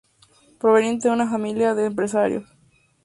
Proveniente de una familia de empresarios.